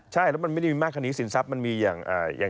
ใช่แล้วมันไม่ได้มีมากคดีสินทรัพย์มันมีอย่าง